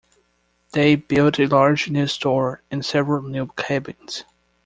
They built a large new store and several new cabins.